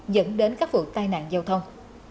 dẫn đến các vụ tai nạn giao thông